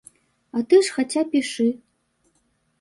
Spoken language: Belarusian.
А ты ж хаця пішы.